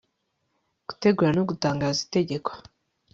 gutegura no gutangaza itegeko